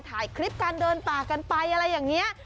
ถ่ายคลิปการเดินป่ากันไปอะไรอย่างนี้